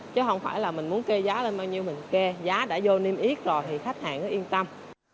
chứ không phải là mình muốn kê giá lên bao nhiêu mình kê giá đã vô niêm yết rồi thì khách hàng mới yên tâm